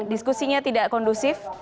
diskusinya tidak kondusif